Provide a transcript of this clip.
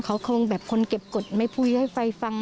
เขาคงแบบคนเก็บกฎไม่พูดให้ไฟฟัง